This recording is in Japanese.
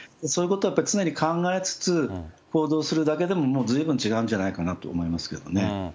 そういうことをやっぱり常に考えつつ行動するだけでも、もうずいぶん違うんじゃないかなと思いますけどね。